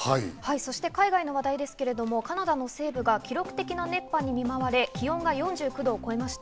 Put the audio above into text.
そして海外の話題ですけれども、カナダの西部は記録的な熱波に見舞われ、気温が４９度を超えました。